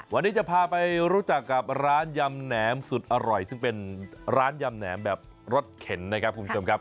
วันนี้จะพาไปรู้จักกับร้านยำแหนมสุดอร่อยซึ่งเป็นร้านยำแหนมแบบรสเข็นนะครับคุณผู้ชมครับ